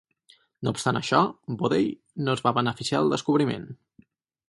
No obstant això, Bodey no es va beneficiar del descobriment.